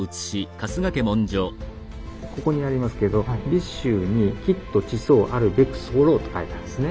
ここにありますけど「尾州にきっと馳走あるべく候」と書いてあるんですね。